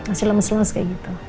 masih lemes lemes kayak gitu